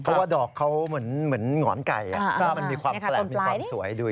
เพราะว่าดอกเขาเหมือนหงอนไก่มันมีความแปลกมีความสวยดู